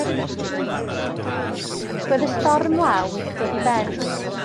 Roedd y storm law wedi dod i ben.